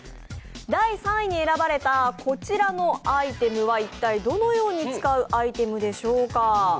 第３位に選ばれたこちらのアイテムは一体どのように使うアイテムでしょうか。